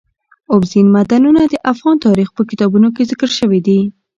اوبزین معدنونه د افغان تاریخ په کتابونو کې ذکر شوی دي.